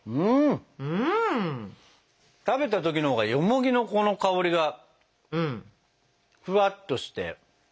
食べた時のほうがよもぎのこの香りがフワッとして。